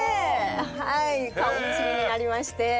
はい顔見知りになりまして。